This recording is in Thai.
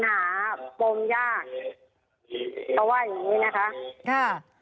เขาว่าอย่างนี้นะคะ